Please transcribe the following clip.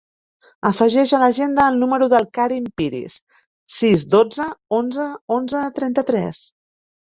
Afegeix a l'agenda el número del Karim Piris: sis, dotze, onze, onze, trenta-tres.